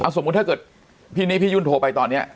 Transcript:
อ่าสมมุติถ้าเกิดพี่นี่พี่ยุ่นโทรไปตอนเนี้ย